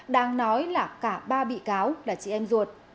đang nói là cả ba bị cáo là chị em ruột